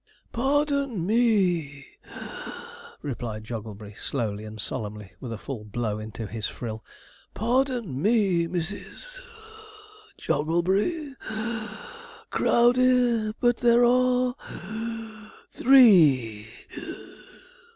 'Pardon me (puff),' replied Jogglebury slowly and solemnly, with a full blow into his frill; 'pardon me, Mrs. (puff) Jogglebury (wheeze) Crowdey, but there are three (wheeze).'